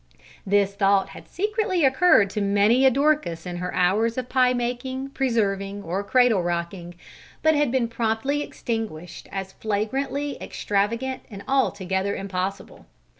This thought had secretly occurred to many a Dorcas in her hours of pie making, preserving, or cradle rocking, but had been promptly extinguished as flagrantly extravagant and altogether impossible.